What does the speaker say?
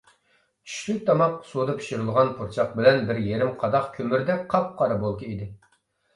چۈشلۈك تاماق سۇدا پىشۇرۇلغان پۇرچاق بىلەن بىر يېرىم قاداق كۆمۈردەك قاپقارا بولكا ئىدى.